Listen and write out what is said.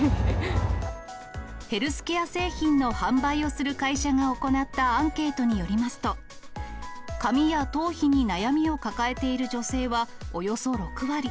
ヘルスケア製品の販売をする会社が行ったアンケートによりますと、髪や頭皮に悩みを抱えている女性はおよそ６割。